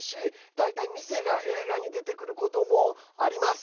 大体、店が映画に出てくることもあります。